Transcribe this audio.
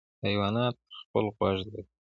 حیوانات خپل غږ لري.